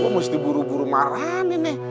gue mesti buru buru marah nih nih